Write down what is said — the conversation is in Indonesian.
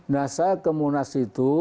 nah saya ke munas itu